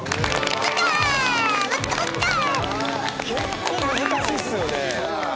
結構難しいっすよね。